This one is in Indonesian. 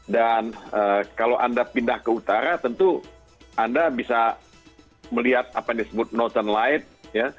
dan kalau anda pindah ke utara tentu anda bisa melihat apa yang disebut northern light ya